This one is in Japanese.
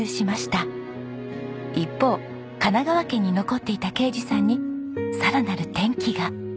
一方神奈川県に残っていた啓二さんにさらなる転機が。